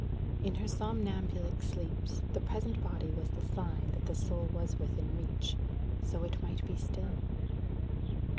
In her somnambulic sleeps, the present body was the sign that the soul was within reach: so it might be still.